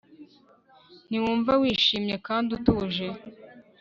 Ntiwumva wishimye kandi utuje